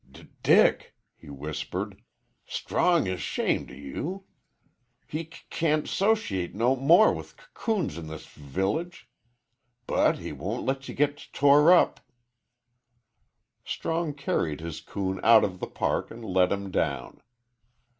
"D Dick," he whispered, "Strong is 'shamed o' y you. He c can't 'sociate n no more with c coons in this v village. But he won't let ye git t tore up." Strong carried his coon out of the park and let him down.